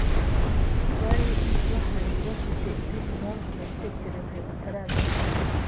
Bari bahari bafite izindi mpamvu mubitekerezo ataramenya.